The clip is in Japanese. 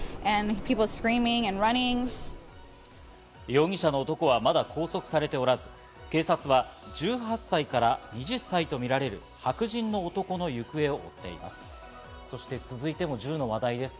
容疑者の男はまだ拘束されておらず、警察は１８歳から２０歳とみられる白人の男の行方を追っています。